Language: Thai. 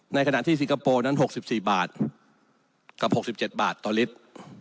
ในขณะที่สิงคโปร์นั้น๖๔บาทกับ๖๗บาทต่อลิตร